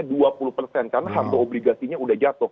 karena harta obligasinya sudah jatuh